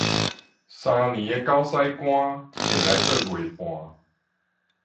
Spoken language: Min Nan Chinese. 三年的狗屎乾，提來做月半